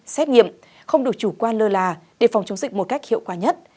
xét nghiệm không được chủ quan lơ là để phòng chống dịch một cách hiệu quả nhất